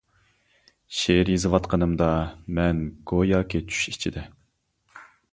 شېئىر يېزىۋاتقىنىمدا مەن گوياكى چۈش ئىچىدە.